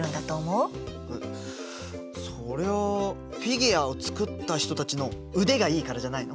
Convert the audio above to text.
えっそりゃあフィギュアを作った人たちの腕がいいからじゃないの？